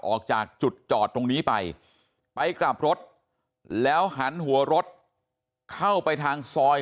ออกจากจุดจอดตรงนี้ไปไปกลับรถแล้วหันหัวรถเข้าไปทางซอย